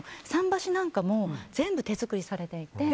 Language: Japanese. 桟橋なんかも全部手作りされていて。